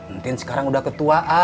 entin sekarang udah ketua